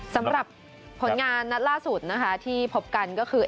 สำหรับผลงานนัดล่าสุดนะคะที่พบกันก็คือ